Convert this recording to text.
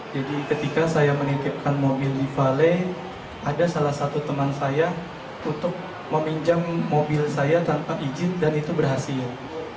jadi ketika saya menitipkan mobil di valet ada salah satu teman saya untuk meminjam mobil saya tanpa izin dan itu berhasil